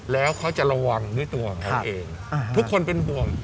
แล้วเขาจะระวังด้วยตัวเองทุกคนเป็นบวม